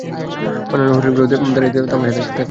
অন্যান্য হরিণগুলো দাঁড়িয়ে তামাশা দেখতে থাকে।